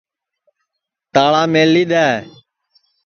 تاݪا میݪی دؔے